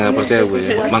ya percaya ya